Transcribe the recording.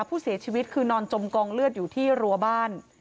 ผู้เสียชีวิตคือนอนจมกองเลือดอยู่ที่รัวบ้าน